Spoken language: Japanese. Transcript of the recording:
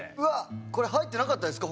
これ入ってなかったですか？